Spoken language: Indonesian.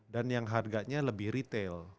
dan yang harganya lebih retail